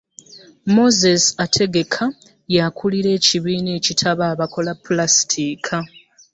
Moses Ategeka, y'akulira ekibiina ekitaba abakola Pulaasitiiki.